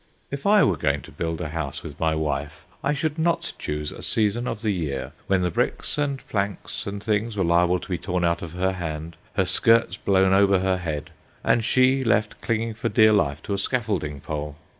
If I were going to build a house with my wife, I should not choose a season of the year when the bricks and planks and things were liable to be torn out of her hand, her skirts blown over her head, and she left clinging for dear life to a scaffolding pole.